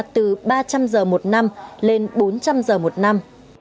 từ ba trăm linh giờ một năm lên bốn trăm linh giờ một năm